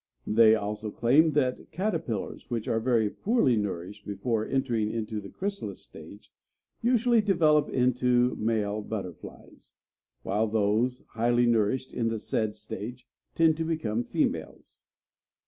They also claim that caterpillars which are very poorly nourished before entering into the chrysalis stage usually develop into male butterflies, while those highly nourished in the said stage tend to become females.